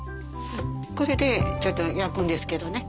これでちょっと焼くんですけどね。